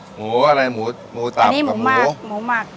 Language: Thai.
หมูอะไรหมูตับกับหมูอันนี้หมูหมักหมูหมัก